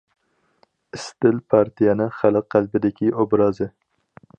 ئىستىل پارتىيەنىڭ خەلق قەلبىدىكى ئوبرازى.